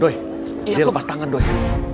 doi dia lepas tangan doi